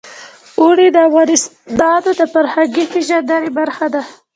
اوړي د افغانانو د فرهنګي پیژندنې برخه ده.